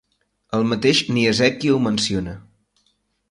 El mateix Niesiecki ho menciona.